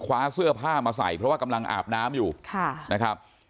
คว้าเสื้อผ้ามาใส่เพราะว่ากำลังอาบน้ำอยู่นะครับ